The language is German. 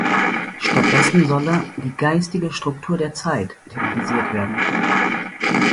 Stattdessen solle „die geistige Struktur der Zeit“ thematisiert werden.